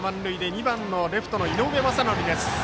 ２番のレフト井上将徳です。